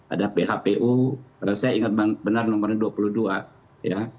ada phpu karena saya ingat benar nomornya dua puluh dua ya